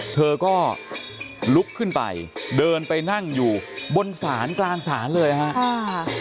เธอก็ลุกขึ้นไปเดินไปนั่งอยู่บนศาลกลางศาลเลยฮะ